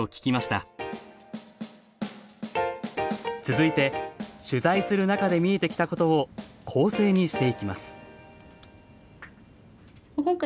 続いて取材する中で見えてきたことを構成にしていきます